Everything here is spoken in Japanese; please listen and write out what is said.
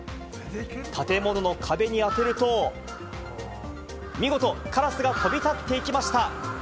建物の壁に当てると、見事カラスが飛び立っていきました。